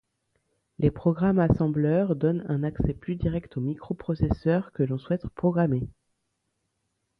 Les programmes assembleur donnent un accès plus direct au microprocesseur que l'on souhaite programmer.